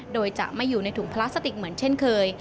โดยจะไม่อยู่ในถุงพลาสติกเหมือนเช่นเคย